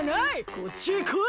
こっちへこい！